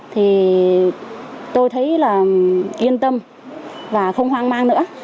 thì tôi thấy là yên tâm và không hoang mang nữa